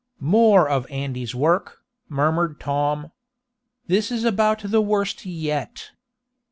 "More of Andy's work," murmured Tom. "This is about the worst yet!"